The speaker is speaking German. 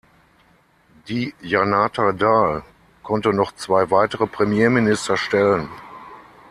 Die Janata Dal konnte noch zwei weitere Premierminister stellen.